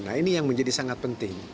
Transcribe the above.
nah ini yang menjadi sangat penting